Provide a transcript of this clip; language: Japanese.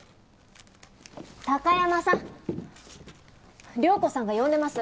貴山さん涼子さんが呼んでます。